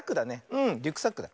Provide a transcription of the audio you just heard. うんリュックサックだ。